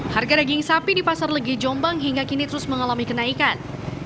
harga daging sapi di pasar legi jombang hingga kini terus mengalami kenaikan